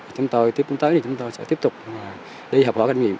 chúng tôi tiếp tục tới thì chúng tôi sẽ tiếp tục đi hợp hóa canh quế